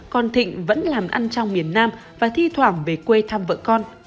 còn thịnh vẫn làm ăn trong miền nam và thi thoảng về quê thăm vợ con